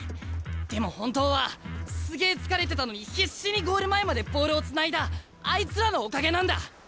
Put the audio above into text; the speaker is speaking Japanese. でも本当はすげえ疲れてたのに必死にゴール前までボールをつないだあいつらのおかげなんだ。